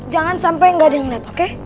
jangan sampai gak ada yang liat oke